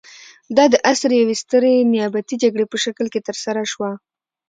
دا د عصر د یوې سترې نیابتي جګړې په شکل کې ترسره شوه.